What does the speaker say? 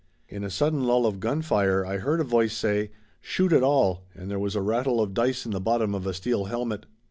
In a sudden lull of gunfire I heard a voice say: "Shoot it all," and there was a rattle of dice in the bottom of a steel helmet.